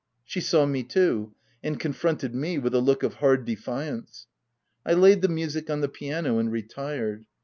She saw me too, and confronted me with a look of hard defiance. I laid the music on the piano, and retired.